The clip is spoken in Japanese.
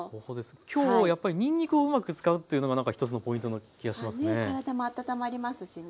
今日やっぱりにんにくをうまく使うというのがなんか一つのポイントな気がしますね。